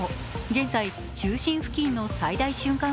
現在中心付近の最大瞬間